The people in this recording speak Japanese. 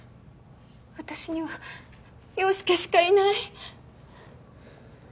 私には陽佑しかいない。